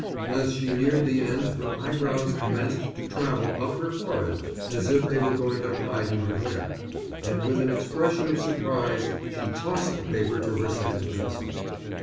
As she neared the end her eyebrows commenced to travel up her forehead, as if they were going to hide in her hair, and with an expression of surprise she tossed the paper to her second cousin.